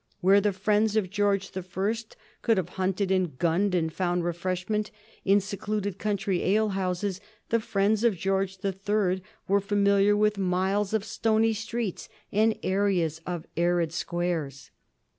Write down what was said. Where the friends of George the First could have hunted and gunned and found refreshment in secluded country ale houses, the friends of George the Third were familiar with miles of stony streets and areas of arid squares.